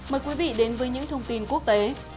mời quý vị đến với những thông tin quốc tế